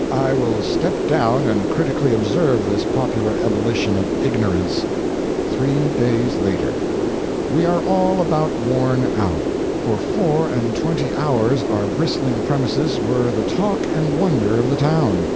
I will step down and critically observe this popular ebullition of ignorance."] THREE DAYS LATER. We are all about worn out. For four and twenty hours our bristling premises were the talk and wonder of the town.